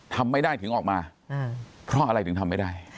ทำไม่ได้ถึงออกมาเพราะอะไรถึงทำไม่ได้